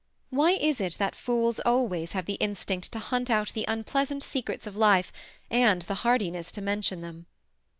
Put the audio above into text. Why is it that fools always have the instinct to hunt out the unpleasant secrets of life, and the hardiness to mention them